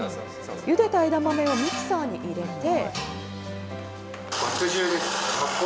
ゆでた枝豆をミキサーに入れて。